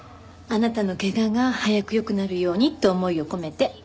あなたの怪我が早く良くなるようにって思いを込めて。